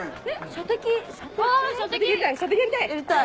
射的やりたい。